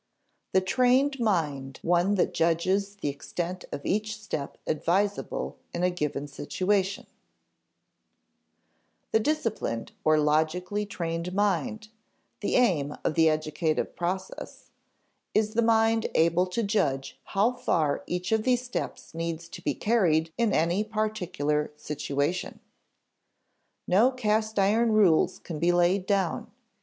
[Sidenote: The trained mind one that judges the extent of each step advisable in a given situation] The disciplined, or logically trained, mind the aim of the educative process is the mind able to judge how far each of these steps needs to be carried in any particular situation. No cast iron rules can be laid down.